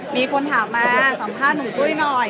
มีคนถามมาสัมภาษณ์หนุ่มตุ้ยหน่อย